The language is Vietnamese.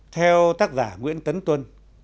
theo tác giả nguyễn tấn tuân